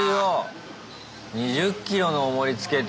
２０ｋｇのおもりつけて。